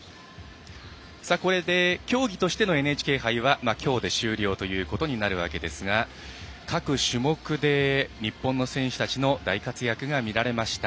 これで競技としてのＮＨＫ杯はきょうで終了ということになるわけですが各種目で日本の選手たちの大活躍が見られました。